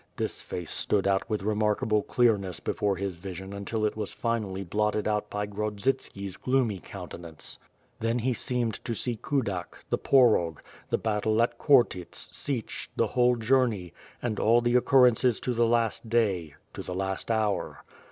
This face stood out with remarkable clearness before his vision until it was finally blotted out by (rrodsitski's gloomy countenance. Then he seemed to see Kudak, tlie Porog, the battle at Khortyts, Sich, the whole journey, and all the occurrences to the last day — to the last hour.